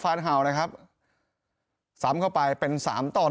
สามเหลียมต่อไปเป็น๓ต่อ๑